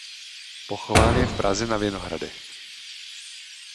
Pochován je v Praze na Vinohradech.